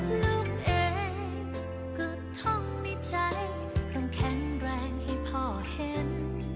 ลูกเองก็ท่องในใจต้องแข็งแรงให้พ่อเห็น